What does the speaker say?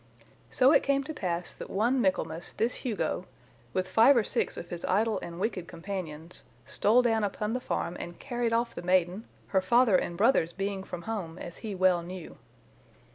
So it came to pass that one Michaelmas this Hugo, with five or six of his idle and wicked companions, stole down upon the farm and carried off the maiden, her father and brothers being from home, as he well knew.